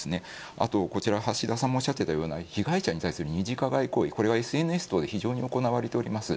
あと、こちら橋田さんもおっしゃっていたような被害者に対する二次加害行為、これはＳＮＳ等で非常に行われております。